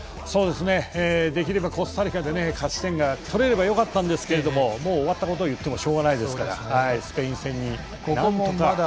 できればコスタリカで勝ち点が取れればよかったんですがもう終わったことを言ってもしょうがないですからスペイン戦に、なんとか。